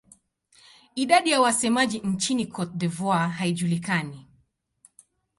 Idadi ya wasemaji nchini Cote d'Ivoire haijulikani.